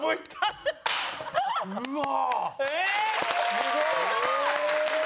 すごい！